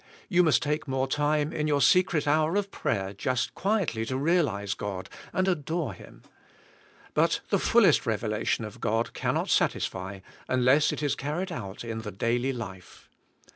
You must take more time in your secret hour of prayer just quietly to realize God and adore Him. But the fullest revelation of God cannot satisfy unless it is carried out in the daily life.